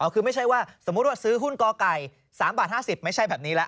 คือไม่ใช่ว่าสมมุติว่าซื้อหุ้นกไก่๓บาท๕๐ไม่ใช่แบบนี้แล้ว